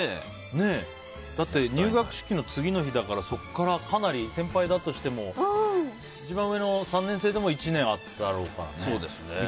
だって、入学式の次の日だからそこから、かなり先輩だとしても一番上の３年生でも１年あっただろうからね。